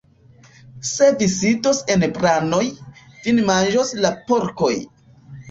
Se vi sidos en branoj, vin manĝos la porkoj.